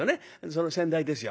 その先代ですよ。